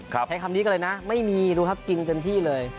ใช้คำนี้กันเลยนะไม่มีดูครับกินเต็มที่เลย